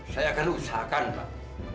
saya akan usahakan pak